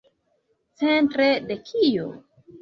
Centre de kio?